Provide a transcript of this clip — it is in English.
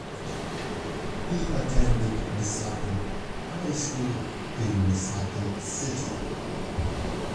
He attended Misato High School in Misato City.